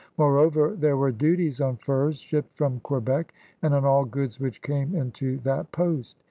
Moreover, there were duties on furs shipped from Quebec and on all goods which came into that post.